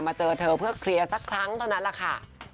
เจอเธอเพื่อเคลียร์สักครั้งเท่านั้นแหละค่ะ